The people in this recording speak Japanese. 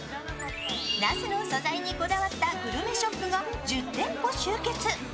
那須の素材にこだわったグルメショップが１０店舗集結。